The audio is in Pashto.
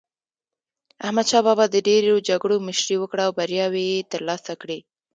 احمد شاه بابا د ډېرو جګړو مشري وکړه او بریاوي یې ترلاسه کړې.